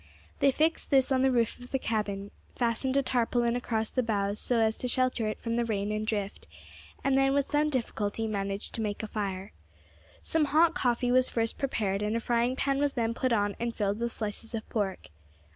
They fixed this on the roof of the cabin, fastened a tarpaulin across the boughs so as to shelter it from the rain and drift, and then, with some difficulty, managed to make a fire. Some hot coffee was first prepared, and a frying pan was then put on and filled with slices of pork.